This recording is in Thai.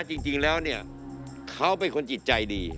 จริงแล้วเนี่ยเขาเป็นคนจิตใจดี